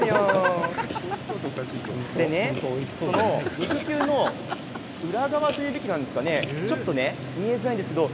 肉球の裏側というべきなんでしょうかちょっと見えづらいんですけど